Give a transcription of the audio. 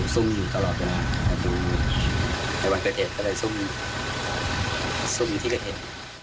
ซุ่งอยู่ที่ก็เห็น